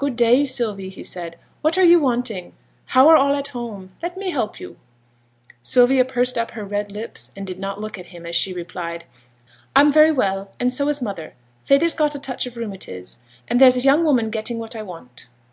'Good day, Sylvie,' he said; 'what are you wanting? How are all at home? Let me help you!' Sylvia pursed up her red lips, and did not look at him as she replied, 'I'm very well, and so is mother; feyther's got a touch of rheumatiz, and there's a young woman getting what I want.'